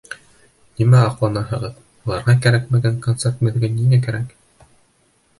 Нимә аҡланаһығыҙ, уларға кәрәкмәгән концерт беҙгә ниңә кәрәк?